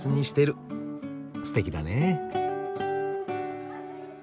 すてきだね。